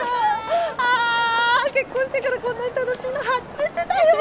ああ結婚してからこんなに楽しいの初めてだよ！